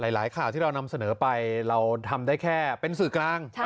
หลายข่าวที่เรานำเสนอไปเราทำได้แค่เป็นสื่อกลาง